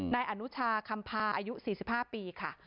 นายอนุชาคำพาอายุ๔๕ปีค่ะ